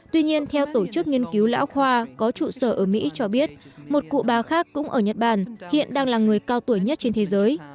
tuy nhiên theo tổ chức nghiên cứu lão khoa có trụ sở ở mỹ cho biết một cụ bà khác cũng ở nhật bản hiện đang là người cao tuổi nhất trên thế giới